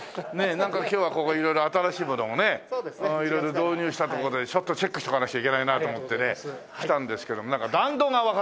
なんか今日はここ色々新しいものもね色々導入したって事でちょっとチェックしとかなくちゃいけないなと思ってね来たんですけどもなんか弾道がわかる？